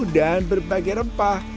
dan berbagai rempah